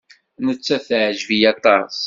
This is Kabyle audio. Nettat teɛjeb-iyi aṭas.